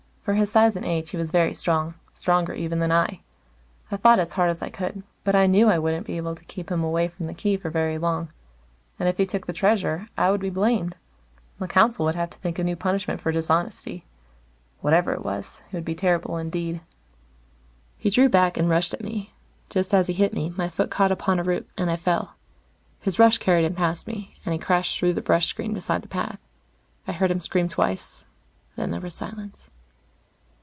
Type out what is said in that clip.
For his size and age, he was very strong stronger, even, than I. I fought as hard as I could, but I knew I wouldn't be able to keep him away from the Key for very long. And if he took the Treasure, I would be blamed. The council would have to think a new punishment for dishonesty. Whatever it was, it would be terrible, indeed. He drew back and rushed at me. Just as he hit me, my foot caught upon a root, and I fell. His rush carried him past me, and he crashed through the brush screen beside the path. I heard him scream twice, then there was silence.